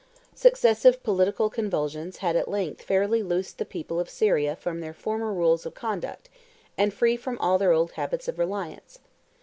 Successive political convulsions had at length fairly loosed the people of Syria from their former rules of conduct, and from all their old habits of reliance.